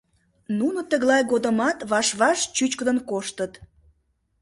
Нуно тыглай годымат ваш-ваш чӱчкыдын коштыт.